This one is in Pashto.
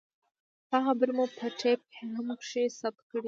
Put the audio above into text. ستا خبرې مو په ټېپ هم کښې ثبت کړې دي.